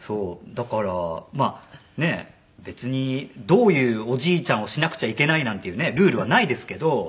だからまあね別にどういうおじいちゃんをしなくちゃいけないなんていうねルールはないですけど。